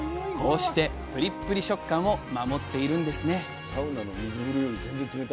こうしてプリップリ食感を守っているんですね